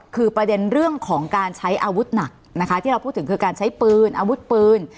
คือประเด็นเรื่องของการใช้อาวุธหนักนะคะที่เราพูดถึงคือการใช้ปืนอาวุธปืน